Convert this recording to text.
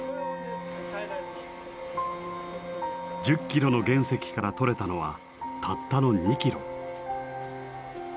１０キロの原石からとれたのはたったの２キロ。